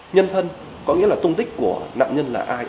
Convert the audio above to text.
nhân thân có nghĩa là tung tích của nạn nhân là ai